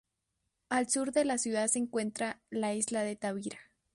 Al sur de la ciudad se encuentra la isla de Tavira.